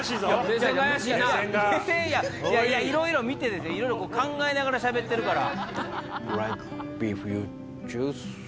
いろいろ見て考えながらしゃべってるから。